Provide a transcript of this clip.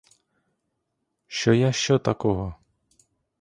Що я що такого?